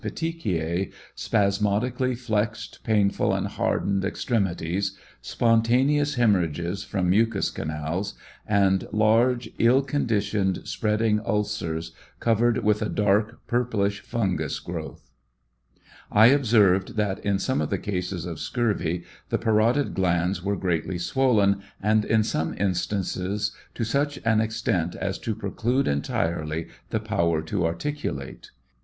petechise spasmodically flexed, painful and hardened extremities, spontaneous hemorrhages from mucous canals, and large, ill conditioned, spreading ulcers covered with a dark pur plish fungus growth, I observed tuat in some of the cases of scurvy the parotid glands were greatly swollen, and in some instances to such an extent as to preclude entirely the power to articulate.